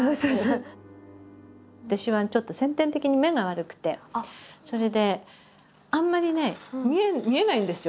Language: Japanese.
私はちょっと先天的に目が悪くてそれであんまりね見えないんですよ